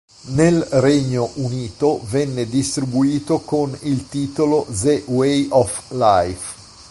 Nel Regno Unito, venne distribuito con il titolo "The Way of Life".